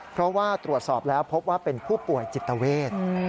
เพราะว่าตรวจสอบแล้วพบว่าเป็นผู้ป่วยจิตเวท